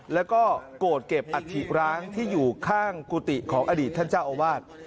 แล้วก็โกรธเก็บอัฐิร้างที่อยู่ข้างกุฏิของอดีตท่านเจ้าอาวาส